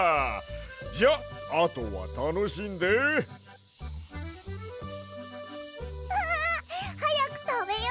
じゃあとはたのしんで！わはやくたべよ！